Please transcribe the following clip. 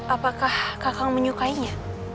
apakah kakang menyukainya